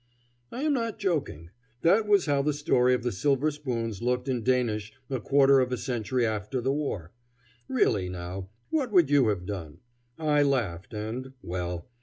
I am not joking. That was how the story of the silver spoons looked in Danish a quarter of a century after the war. Really, now, what would you have done? I laughed and well!